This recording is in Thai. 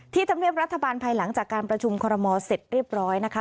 ธรรมเนียบรัฐบาลภายหลังจากการประชุมคอรมอลเสร็จเรียบร้อยนะคะ